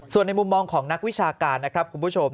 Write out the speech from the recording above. ส่วนในมุมมองของนักวิชาการนะครับคุณผู้ชม